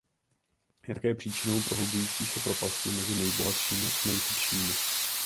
Je také příčinou prohlubující se propasti mezi nejbohatšími a nejchudšími.